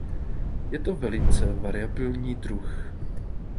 Je to velice variabilní druh.